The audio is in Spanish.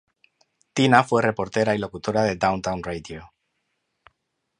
Tina fue reportera y locutora de Downtown Radio.